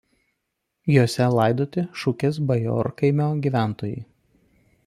Jose laidoti Šukės bajorkaimio gyventojai.